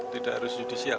tidak harus judisial